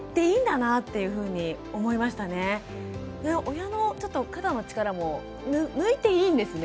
親のちょっと肩の力も抜いていいんですね。